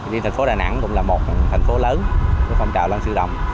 thì thành phố đà nẵng cũng là một thành phố lớn của phong trào lân sư dòng